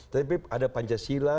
tapi ada pancasila